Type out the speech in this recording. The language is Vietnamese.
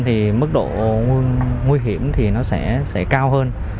thì mức độ nguy hiểm thì nó sẽ cao hơn